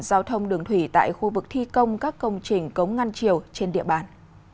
giao thông đường thủy tại khu vực thi công các công trình cống ngăn triều trên địa bàn